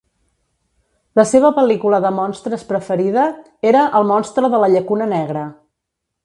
La seva pel·lícula de monstres preferida era "El monstre de la Llacuna Negra".